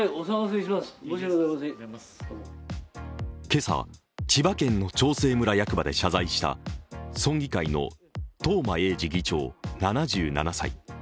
今朝、千葉県の長生村役場で謝罪した村議会の東間永次議長７７歳。